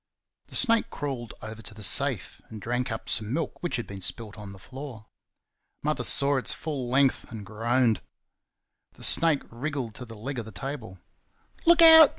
The snake crawled over to the safe and drank up some milk which had been spilt on the floor. Mother saw its full length and groaned. The snake wriggled to the leg of the table. "Look out!"